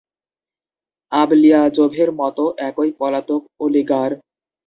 আবলিয়াজোভের মত একই পলাতক অলিগার।